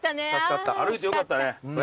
歩いてよかったね。